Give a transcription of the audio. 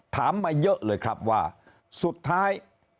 มาเยอะเลยครับว่าสุดท้าย